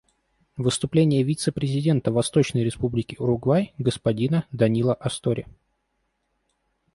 Выступление вице-президента Восточной Республики Уругвай господина Данило Астори.